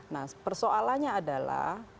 nah persoalannya adalah